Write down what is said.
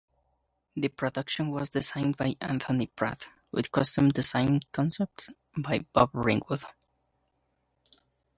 The production was designed by Anthony Pratt, with costume design concepts by Bob Ringwood.